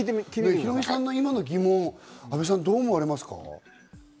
ヒロミさんの今の疑問、どう思われますか？